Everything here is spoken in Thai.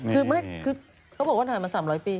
คือเค้าบอกว่าถ่ายมา๓๐๐ปี